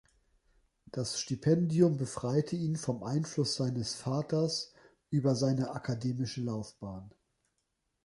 Das Stipendium befreite ihn vom Einfluss seines Vaters über seine akademische Laufbahn.